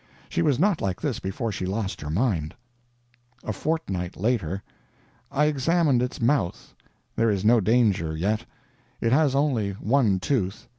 She was not like this before she lost her mind. A FORTNIGHT LATER. I examined its mouth. There is no danger yet: it has only one tooth.